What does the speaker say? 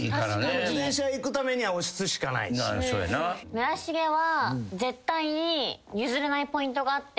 村重は絶対に譲れないポイントがあって。